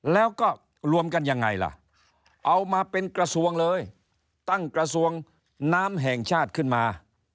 แล้วก็รวมกันยังไงล่ะเอามาเป็นกระทรวงเลยตั้งกระทรวงน้ำแห่งชาติขึ้นมา